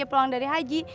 baru saja pulang dari haji